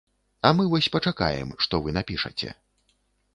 А мы вось пачакаем, што вы напішаце.